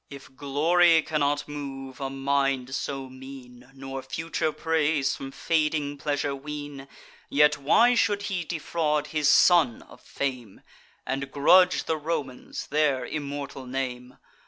If glory cannot move a mind so mean, Nor future praise from fading pleasure wean, Yet why should he defraud his son of fame, And grudge the Romans their immortal name!